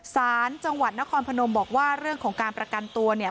สารจังหวัดนครพนมบอกว่าเรื่องของการประกันตัวเนี่ย